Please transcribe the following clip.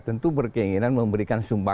tentu berkeinginan memberikan sumbangan